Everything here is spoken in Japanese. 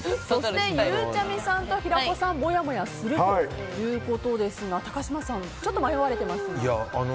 ゆうちゃみさんと平子さんはもやもやするということですが高嶋さんちょっと迷われてますが。